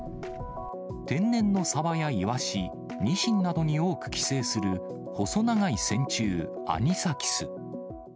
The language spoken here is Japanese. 天然のサバやイワシ、ニシンなどに多く寄生する細長い線虫、アニサキス。